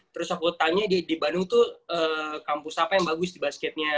terus aku tanya di bandung tuh kampus apa yang bagus di basketnya